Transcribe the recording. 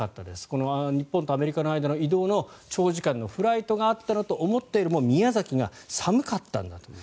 この日本とアメリカの間の長時間のフライトがあったのと思ったよりも宮崎が寒かったんだと。